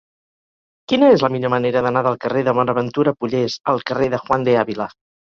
Quina és la millor manera d'anar del carrer de Bonaventura Pollés al carrer de Juan de Ávila?